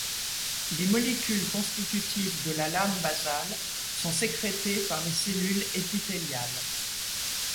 Les molécules constitutives de la lame basale sont sécrétées par les cellules épithéliales.